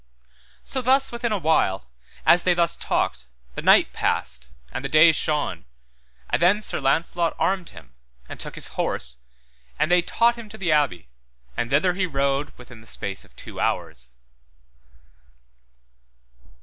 So thus within a while, as they thus talked, the night passed, and the day shone, and then Sir Launcelot armed him, and took his horse, and they taught him to the Abbey, and thither he rode within the space of two hours.